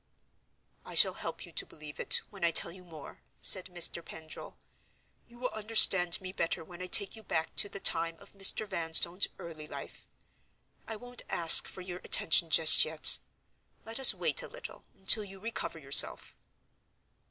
"I shall help you to believe it when I tell you more," said Mr. Pendril—"you will understand me better when I take you back to the time of Mr. Vanstone's early life. I won't ask for your attention just yet. Let us wait a little, until you recover yourself."